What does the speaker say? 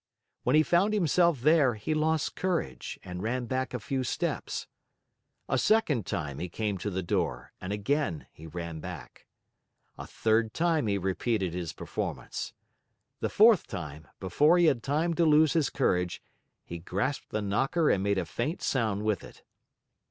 When he found himself there, he lost courage and ran back a few steps. A second time he came to the door and again he ran back. A third time he repeated his performance. The fourth time, before he had time to lose his courage, he grasped the knocker and made a faint sound with it.